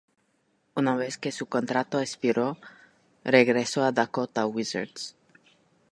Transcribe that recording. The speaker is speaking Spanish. Una vez que su contrato expiró, regresó a Dakota Wizards.